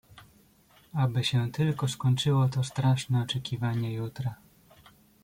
"Aby się tylko skończyło to straszne oczekiwanie jutra!"